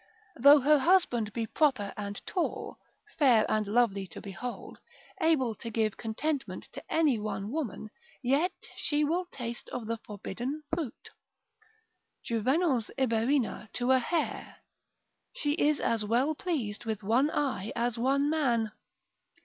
Though her husband be proper and tall, fair and lovely to behold, able to give contentment to any one woman, yet she will taste of the forbidden fruit: Juvenal's Iberina to a hair, she is as well pleased with one eye as one man.